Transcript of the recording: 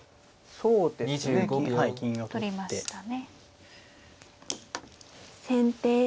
そうですね。